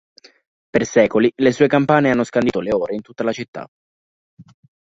Per secoli le sue campane hanno scandito le ore in tutta la città.